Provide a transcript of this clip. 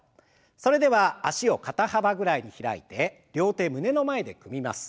それでは脚を肩幅ぐらいに開いて両手胸の前で組みます。